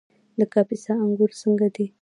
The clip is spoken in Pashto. د کاپیسا انګور څنګه دي؟